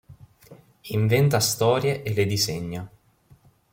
Inventa storie e le disegna.